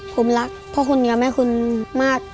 ผมรักพ่อคุณกับแม่คุณมาก